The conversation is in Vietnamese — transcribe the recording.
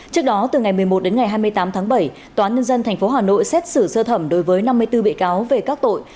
trước đó từ ngày một mươi một đến ngày hai mươi tám tháng bảy tòa nhân dân tp hà nội xét xử sơ thẩm đối với năm mươi bốn bị cáo về các tội